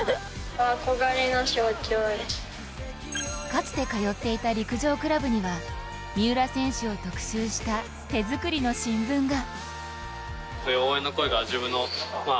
かつて通っていた陸上クラブには三浦選手を特集した手作りの新聞が。